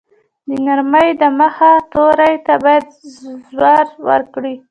د نرمې ی د مخه توري ته باید زور ورکړو.